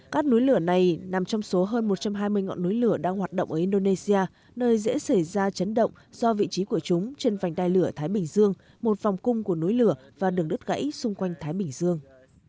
các núi lửa này nằm trong số hơn một trăm hai mươi ngọn núi lửa đang hoạt động ở indonesia nơi dễ xảy ra chấn động do vị trí của chúng trên vành đai lửa thái bình dương một vòng cung của núi lửa và đường đất gãy xung quanh thái bình dương